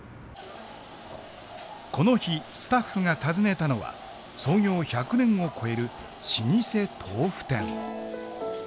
この日スタッフが訪ねたのは創業１００年を超える老舗豆腐店。